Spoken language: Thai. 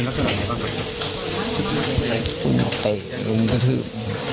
ลุมเเตลุมกระทึบ